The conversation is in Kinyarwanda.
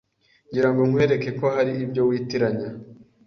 ngira ngo nkwereke ko hari ibyo witiranya